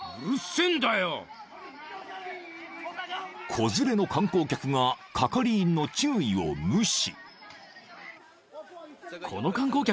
［子連れの観光客が係員の注意を無視］